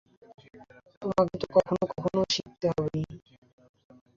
তোমকে তো কখনো না কখনো শিখতেই হবে।